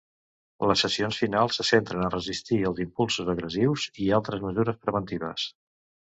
Les sessions finals se centren a resistir els impulsos agressius i altres mesures preventives.